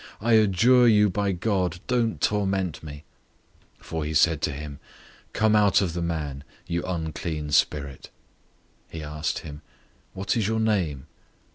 I adjure you by God, don't torment me." 005:008 For he said to him, "Come out of the man, you unclean spirit!" 005:009 He asked him, "What is your name?"